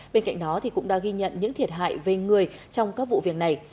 bên cạnh đó cũng đã ghi nhận những thiệt hại về người trong các vụ việc này